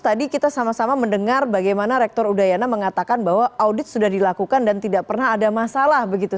tadi kita sama sama mendengar bagaimana rektor udayana mengatakan bahwa audit sudah dilakukan dan tidak pernah ada masalah begitu